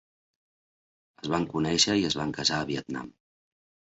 Es van conèixer i es van casar a Vietnam.